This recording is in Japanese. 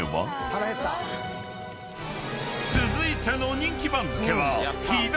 ［続いての人気番付は］